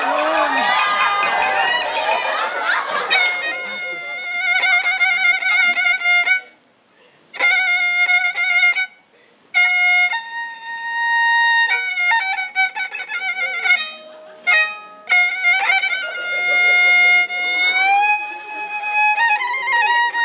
ไม่มีในใจ